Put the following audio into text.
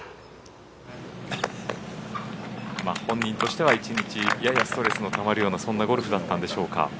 本人としては１日ややストレスのたまるようなそんなゴルフだったんでしょうか。